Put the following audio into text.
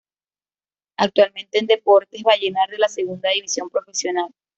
Actualmente en Deportes Vallenar de la Segunda División Profesional.